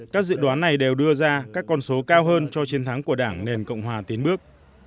các dự đoán này đều đưa ra các con số cao hơn cho chiến thắng của đảng nền cộng hòa tiến bước